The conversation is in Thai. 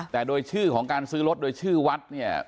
แต่โดยชื่อของการซื้อรถโดยชื่อวัดเนี่ย